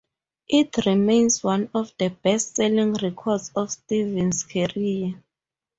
It remains one of the best selling records of Stevens' career.